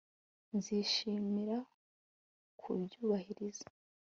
Nzishimira kubyubahiriza